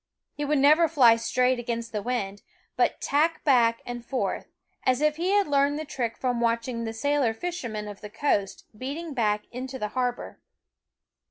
He would never fly straight against the wind, but tack back and forth, as if he had learned the trick from watching the sailor fishermen of the coast beating back into har bor.